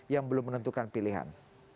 yang belum menentukan pilihan